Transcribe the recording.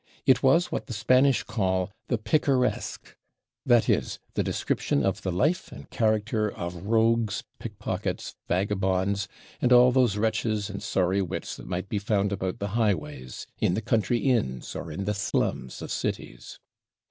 It was what the Spanish call the picaresque; that is, the description of the life and character of rogues, pickpockets, vagabonds, and all those wretches and sorry wits that might be found about the highways, in the country inns, or in the slums of cities.